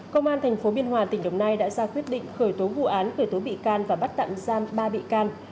công an tp biên hòa tỉnh đồng nai đã ra quyết định khởi tố vụ án khởi tố bị can và bắt tạm giam ba bị can